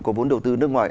có vốn đầu tư nước ngoài